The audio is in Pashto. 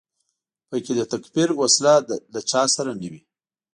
په کې د تکفیر وسله له چا سره نه وي.